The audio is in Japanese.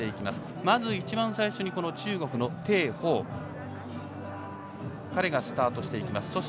まず、一番最初に中国の鄭鵬彼がスタートしていきます。